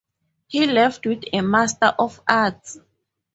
He left with a master of arts.